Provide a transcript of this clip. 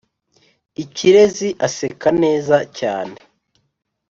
Ikirezi aseka neza cyane